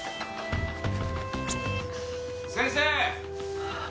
先生！